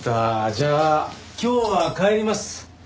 じゃあ今日は帰ります。